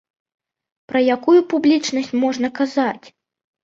Пра якую публічнасць можна казаць?